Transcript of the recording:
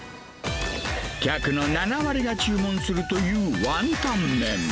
客の７割が注文するというワンタン麺。